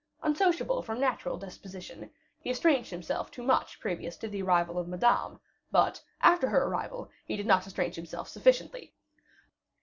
Unsociable from natural disposition, he had estranged himself too much previous to the arrival of Madame, but, after her arrival, he did not estrange himself sufficiently.